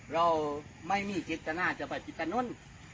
เราไม่มีคิตตนาจะปฎิกานุ้น